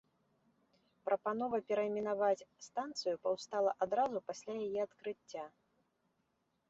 Прапанова перайменаваць станцыю паўстала адразу пасля яе адкрыцця.